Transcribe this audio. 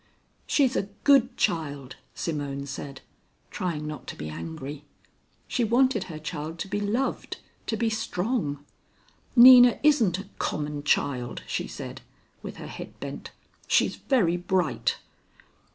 "She's a good child," Simone said, trying not to be angry. She wanted her child to be loved, to be strong. "Nina isn't a common child," she said, with her head bent. "She's very bright."